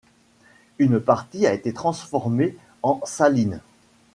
Une partie a été transformée en salines.